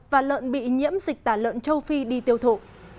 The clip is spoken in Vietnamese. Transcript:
và lợn bị nhiễm dịch tả lợn châu phi đi tiêu thụ